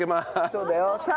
そうだよ。